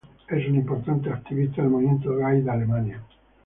Es un importante activista del movimiento gay de Alemania.